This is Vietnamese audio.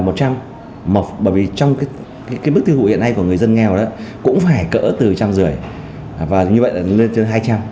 bởi vì trong cái mức tiêu hụ hiện nay của người dân nghèo đó cũng phải cỡ từ một trăm năm mươi và như vậy là lên tới hai trăm linh